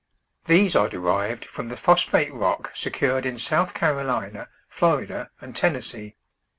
These are derived from the phosphate rock se cured in South Carolina, Florida, and Tennessee.